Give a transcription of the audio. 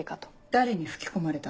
誰に吹き込まれた？